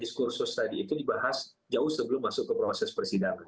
diskursus tadi itu dibahas jauh sebelum masuk ke proses persidangan